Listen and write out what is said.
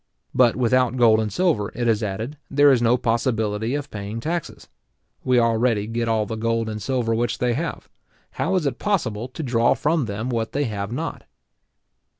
But without gold and silver, it is added, there is no possibility of paying taxes. We already get all the gold and silver which they have. How is it possible to draw from them what they have not?